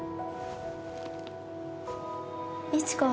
一花